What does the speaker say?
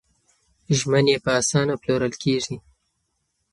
ژمنې په اسانه پلورل کېږي.